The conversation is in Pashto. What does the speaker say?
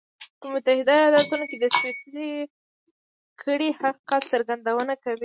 په متحده ایالتونو کې د سپېڅلې کړۍ حقیقت څرګندونه کوي.